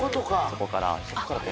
そこから。